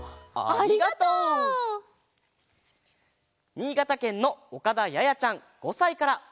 にいがたけんのおかだややちゃん５さいから。